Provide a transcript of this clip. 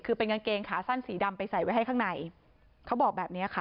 คือเป็นกางเกงขาสั้นสีดำไปใส่ไว้ให้ข้างในเขาบอกแบบเนี้ยค่ะ